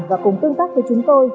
và cùng tương tác với chúng tôi